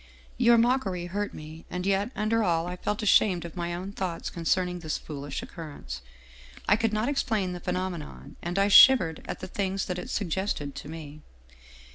Your mockery hurt me, and yet under all I felt ashamed of my own thoughts concerning this foolish occurrence. I could not explain the phenomenon, and I shivered at the things that it suggested to me.